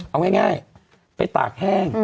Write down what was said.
เอาง่ายไปตากแห้ง